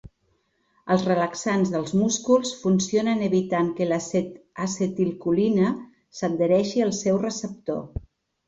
Els relaxants dels músculs funcionen evitant que l'acetilcolina s'adhereixi al seu receptor.